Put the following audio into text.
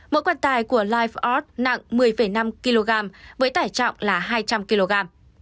mỗi quan tài của liford nặng một mươi năm kg với tải trọng là hai trăm linh kg